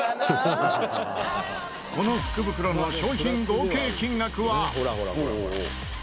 この福袋の商品合計金額は。